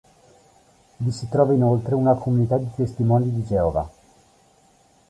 Vi si trova inoltre una comunità di Testimoni di Geova.